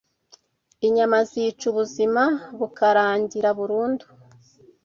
Inyama zica ubuzima bukarangira burundu